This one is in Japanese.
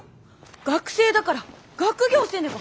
学生だから学業せねば！